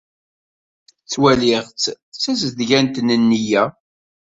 Ttwaliɣ-tt d tazedgant n nneyya.